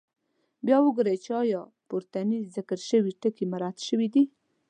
بیا وګورئ چې آیا پورتني ذکر شوي ټکي مراعات شوي دي.